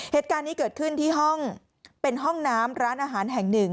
เหตุการณ์นี้เกิดขึ้นที่ห้องเป็นห้องน้ำร้านอาหารแห่งหนึ่ง